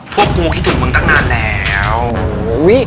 พวกกูคิดถึงเมืองตั้งนานแล้ว